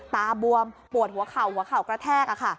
บวมปวดหัวเข่าหัวเข่ากระแทก